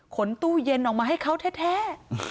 ตู้เย็นออกมาให้เขาแท้